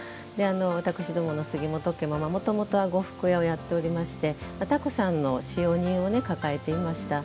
私どもの杉本家ももともとは呉服屋をやっておりましてたくさんの使用人を抱えていました。